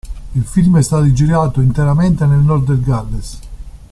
Il film è stato girato interamente nel nord del Galles.